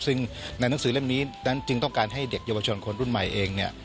ซึ่งในหนังสือเล่มนี้นั้นจึงต้องการให้เด็กเยาวชนคนรุ่นใหม่เองเนี่ย